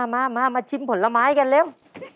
มามาชิมผลไม้กันเร็ว